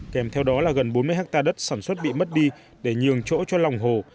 kèm theo đó là gần bốn mươi hectare đất sản xuất bị mất đi để nhường chỗ cho lòng hồ